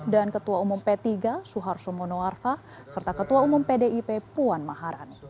dan ketua umum p tiga suharto monoarfa serta ketua umum pdip puan maharani